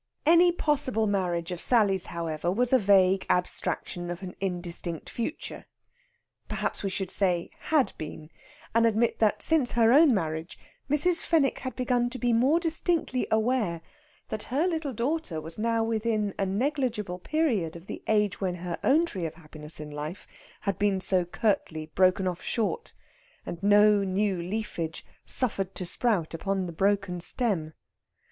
Any possible marriage of Sally's, however, was a vague abstraction of an indistinct future. Perhaps we should say had been, and admit that since her own marriage Mrs. Fenwick had begun to be more distinctly aware that her little daughter was now within a negligible period of the age when her own tree of happiness in life had been so curtly broken off short, and no new leafage suffered to sprout upon the broken stem.